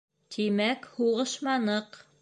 Тимәк, һуғышманыҡ.